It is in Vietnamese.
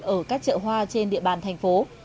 ở các chợ hoa trên địa bàn thành phố